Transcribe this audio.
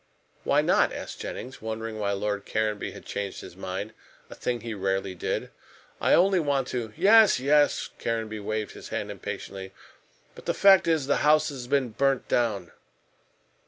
"Why not?" asked Jennings, wondering why Lord Caranby had changed his mind a thing he rarely did. "I only want to " "Yes! Yes!" Caranby waved his hand impatiently, "but the fact is, the house has been burnt down."